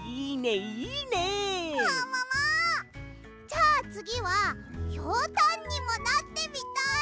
じゃあつぎはひょうたんにもなってみたい！